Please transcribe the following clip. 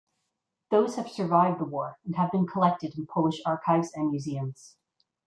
Those have survived the war and have been collected in Polish archives and museums.